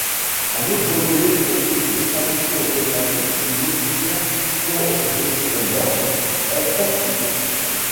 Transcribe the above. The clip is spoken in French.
Un autre volet propose des traductions automatiques si l'option correspondante est activée.